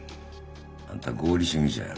あんた合理主義者やろ？